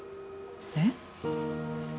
えっ？